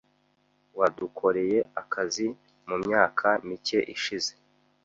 Wadukoreye akazi mumyaka mike ishize.